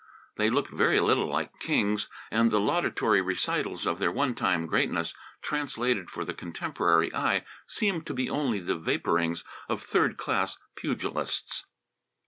They looked very little like kings, and the laudatory recitals of their one time greatness, translated for the contemporary eye, seemed to be only the vapourings of third class pugilists.